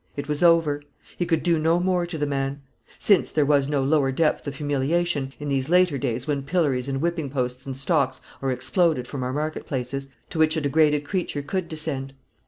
It was over. He could do no more to the man; since there was no lower depth of humiliation in these later days, when pillories and whipping posts and stocks are exploded from our market places to which a degraded creature could descend.